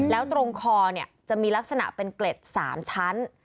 แล้วตรงคอจะมีลักษณะเป็นเกล็ด๓ชั้น